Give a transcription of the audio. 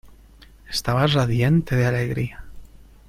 Estaba radiante de alegría.